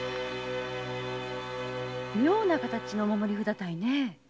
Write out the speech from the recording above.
妙な形のお守り札たいね。